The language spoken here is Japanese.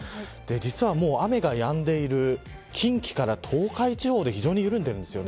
実は、雨がやんでいる近畿から東海地方で非常に緩んでいるんです。